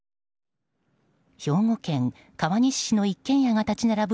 兵庫県川西市の一軒家が立ち並ぶ